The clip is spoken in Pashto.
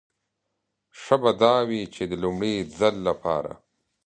ښه به دا وي چې د لومړي ځل لپاره.